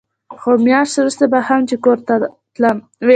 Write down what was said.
خو مياشت وروسته به هم چې کور ته تلم.